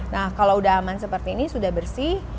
nah kalau udah aman seperti ini sudah bersih